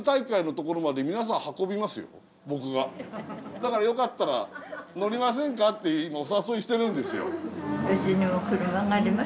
だからよかったら乗りませんかって今お誘いしてるんですよ。